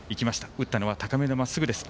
打ったのは高めのまっすぐです。